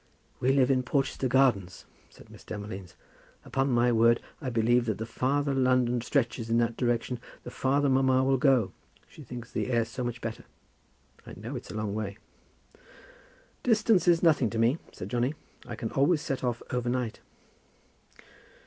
"We live in Porchester Gardens," said Miss Demolines. "Upon my word, I believe that the farther London stretches in that direction, the farther mamma will go. She thinks the air so much better. I know it's a long way." "Distance is nothing to me," said Johnny; "I can always set off over night."